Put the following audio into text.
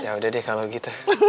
yaudah deh kalau gitu